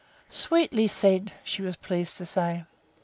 Sweetly said! she was pleased to say.